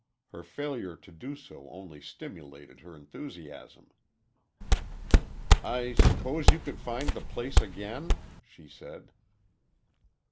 Her failure to do so only stimulated her enthusiasm. "I suppose you could find the place, again," she said.